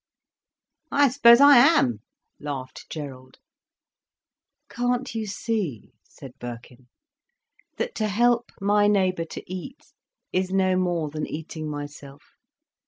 "I suppose I am," laughed Gerald. "Can't you see," said Birkin, "that to help my neighbour to eat is no more than eating myself.